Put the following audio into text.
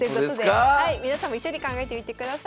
皆さんも一緒に考えてみてください。